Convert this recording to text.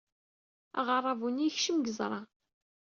Aɣerrabu-nni yekcem deg yeẓra.